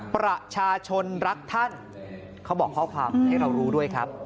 ประชาชนรักท่านเขาบอกข้อความให้เรารู้ด้วยครับ